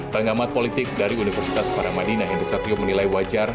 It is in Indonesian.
pengamat politik dari universitas paramadina hindisatrio menilai wajar